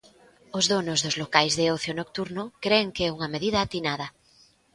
Os donos dos locais de ocio nocturno cren que é unha medida atinada.